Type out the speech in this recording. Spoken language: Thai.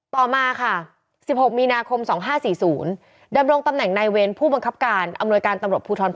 ต่อมาค่ะ๑๖มีนาคม๒๕๔๐ดำรงตำแหน่งนายเวรผู้บังคับการอำนวยการตำรวจภูทร